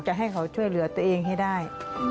จะให้เขาช่วยเหลือตัวเองให้ได้